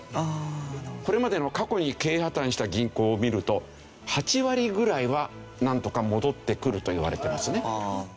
これまでの過去に経営破たんした銀行を見ると８割ぐらいはなんとか戻ってくるといわれてますね。